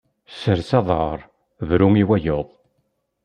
Sers aḍar, bru i wayeḍ.